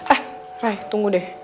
eh raya tunggu deh